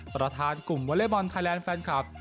ประธานกลุ่มวอเล็กบอลไทยแลนด์แฟนคลับ